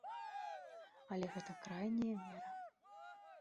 Але гэта крайняя мера.